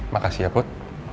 makasih ya put